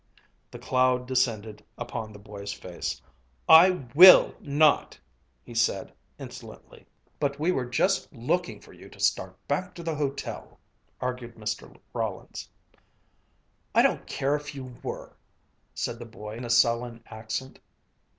The cloud descended upon the boy's face. "I will not!" he said insolently. "But we were just looking for you to start back to the hotel," argued Mr. Rollins. "I don't care if you were!" said the boy in a sullen accent.